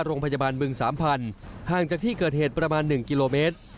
โรงพยาบาลบึงสามพันธุ์ห่างจากที่เกิดเหตุประมาณ๑กิโลเมตร